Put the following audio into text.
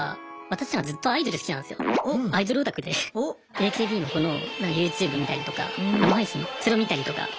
ＡＫＢの子のＹｏｕＴｕｂｅ見たりとか生配信それを見たりとか。